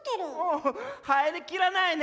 お入りきらないね。